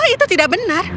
itu tidak benar